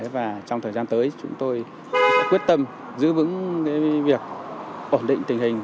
và trong thời gian tới chúng tôi quyết tâm giữ vững việc ổn định tình hình